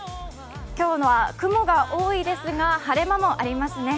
今日は雲が多いですが晴れ間もありますね。